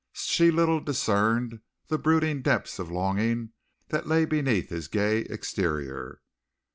She little discerned the brooding depths of longing that lay beneath his gay exterior.